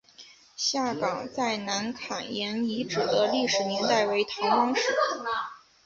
下岗再南坎沿遗址的历史年代为唐汪式。